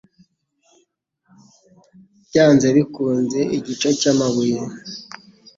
byanze bikunze) Igice cy'amabuye